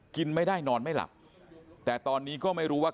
กินไม่ได้นอนไม่หลับแต่ตอนนี้ก็ไม่รู้ว่า